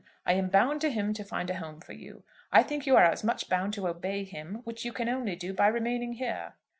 I am bound to him to find a home for you. I think you are as much bound to obey him, which you can only do by remaining here."